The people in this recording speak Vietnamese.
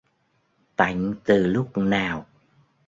Tạnh từ lúc nào